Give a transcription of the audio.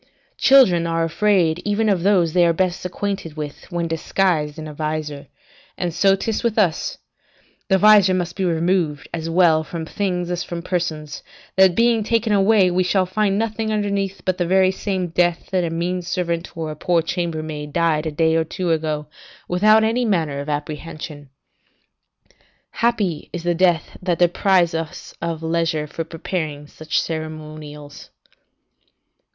Children are afraid even of those they are best acquainted with, when disguised in a visor; and so 'tis with us; the visor must be removed as well from things as from persons, that being taken away, we shall find nothing underneath but the very same death that a mean servant or a poor chambermaid died a day or two ago, without any manner of apprehension. Happy is the death that deprives us of leisure for preparing such ceremonials.